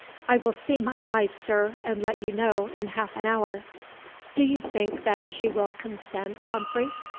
I will see my wife, sir, and let you know in half an hour." "Do you think that she will consent, Humphreys?"